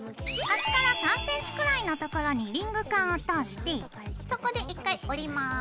端から３ｃｍくらいのところにリングカンを通してそこで１回折ります。